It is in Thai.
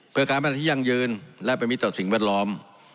เพื่อการแม่งที่ยั่งยืนและประมิตรสิ่งแวดล้อม